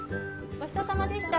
ごちそうさまでした。